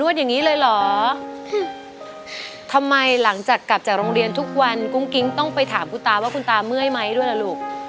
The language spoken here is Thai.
อย่างนี้เลยเหรอทำไมหลังจากกลับจากโรงเรียนทุกวันกุ้งกิ๊งต้องไปถามคุณตาว่าคุณตาเมื่อยไหมด้วยล่ะลูก